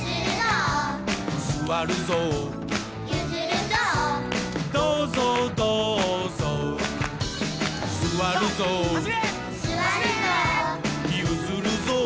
「すわるぞう」「どうぞうどうぞう」「すわるぞう」「ゆずるぞう」